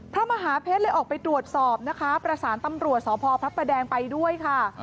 พระมหาเพชรเลยออกไปตรวจสอบนะคะประสานตำรวจสพพระประแดงไปด้วยค่ะ